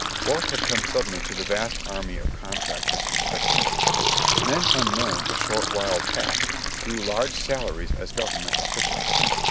Wealth had come suddenly to the vast army of contractors and speculators. Men unknown a short while past drew large salaries as Government officials.